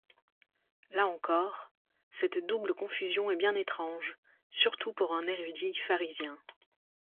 Là encore, cette double confusion est bien étrange surtout pour un érudit pharisien.